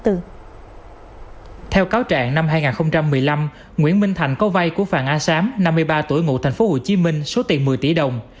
theo cáo trạng năm hai nghìn một mươi năm nguyễn minh thành có vay của phạm a sám năm mươi ba tuổi ngụ tp hcm số tiền một mươi tỷ đồng